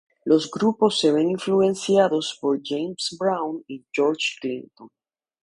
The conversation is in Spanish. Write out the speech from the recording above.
Los grupos se ven influenciados por James Brown y George Clinton.